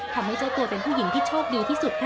ทำให้เจ้าตัวเป็นผู้หญิงที่โชคดีที่สุดค่ะ